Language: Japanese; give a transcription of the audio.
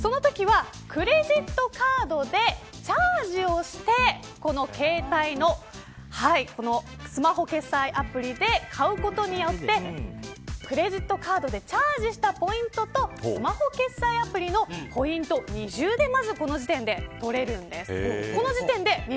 そういうときはクレジットカードでチャージをしてスマホ決済アプリで買うことによってクレジットカードでチャージしたポイントとスマホ決済アプリのポイントを二重で取ることができるんです。